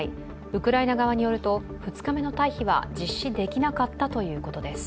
ウクライナ側によると２日目の退避は実施できなかったということです。